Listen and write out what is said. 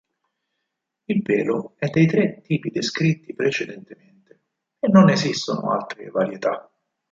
Il pelo è dei tre tipi descritti precedentemente e non ne esistono altre varietà.